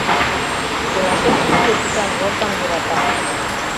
— Пелашем тӱрлӧ тӱсан розам йӧрата.